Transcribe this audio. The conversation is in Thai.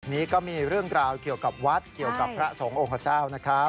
นี่ก็มีเรื่องราวเกี่ยวกับวัดเกี่ยวกับพระสงฆ์ขเจ้านะครับ